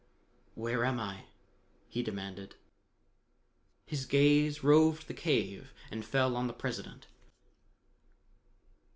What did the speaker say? "Where am I?" he demanded. His gaze roved the cave and fell on the President.